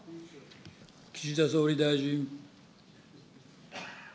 岸田総理大臣。